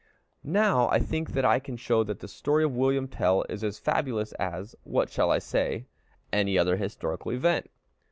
Now, I think that I can show that the story of William Tell is as fabulous as what shall I say? any other historical event.